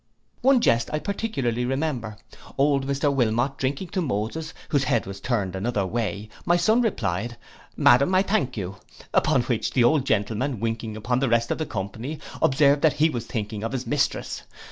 One jest I particularly remember, old Mr Wilmot drinking to Moses, whose head was turned another way, my son replied, 'Madam, I thank you.' Upon which the old gentleman, winking upon the rest of the company, observed that he was thinking of his mistress.